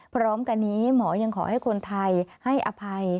พร้อมกันนี้หมอยังขอให้คนไทยให้อภัย